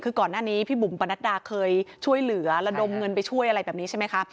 คือก่อนหน้านี้พี่บุ๋มปนัดดาเคยช่วยเหลือระดมเงินไปช่วยอะไรแบบนี้ใช่ไหมคะ